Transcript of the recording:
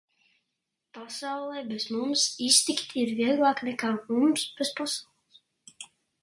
Pasaulei bez mums iztikt ir vieglāk nekā mums bez pasaules.